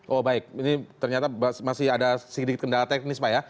oh baik ini ternyata masih ada sedikit kendala teknis pak ya